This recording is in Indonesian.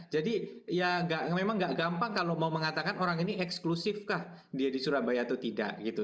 jadi ya memang nggak gampang kalau mau mengatakan orang ini eksklusifkah dia di surabaya itu tidak gitu